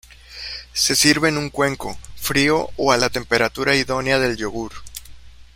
Se sirve en un cuenco, frío o a la temperatura idónea del yogur.